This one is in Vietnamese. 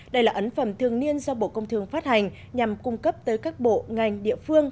đây là ấn phẩm thường niên do bộ công thương phát hành nhằm cung cấp tới các bộ ngành địa phương